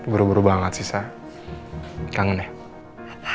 buru buru banget sih sa kangen ya